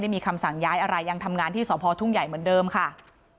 มีคำสั่งย้ายอะไรยังทำงานที่สพทุ่งใหญ่เหมือนเดิมค่ะ